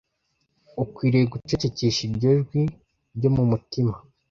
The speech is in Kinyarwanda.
ukwiriye gucecekesha iryo jwi ryo mu mutima